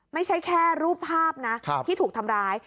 ไม่ใช่แค่รูปภาพนะที่ถูกทำร้าย